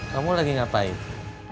kuh ah cek ngomong apa sih kuh